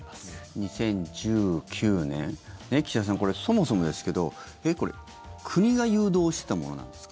２０１９年岸田さん、そもそもですけどこれ国が誘導してたものなんですか？